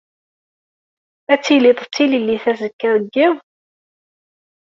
Ad tilid d tilellit azekka deg yiḍ?